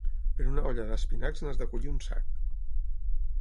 Per una olla d'espinacs n'has de collir un sac.